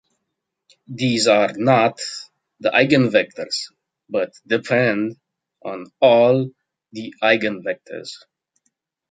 These are "not" the eigenvectors, but "depend" on "all" the eigenvectors.